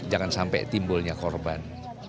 jangan sampai timbulnya korban